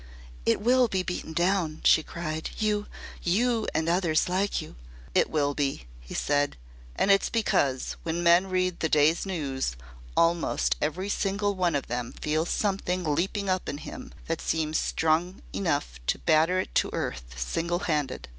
"It will be beaten down," she cried. "You you and others like you " "It will be," he said. "And it's because, when men read the day's news, almost every single one of them feels something leaping up in him that seems strong enough to batter it to earth single handed."